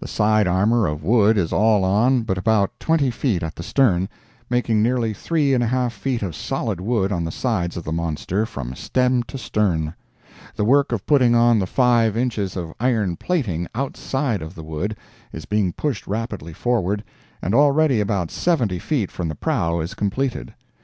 The side armor of wood is all on but about twenty feet at the stern, making nearly three and a half feet of solid wood on the sides of the monster, from stem to stern. The work of putting on the five inches of iron plating, outside of the wood, is being pushed rapidly forward, and already about seventy feet from the prow is completed.